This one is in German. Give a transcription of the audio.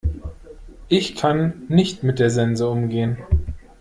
Ich kann nicht mit der Sense umgehen.